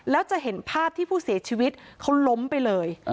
แล้วจะเห็นภาพที่ผู้เสียชีวิตเขาล้มไปเลย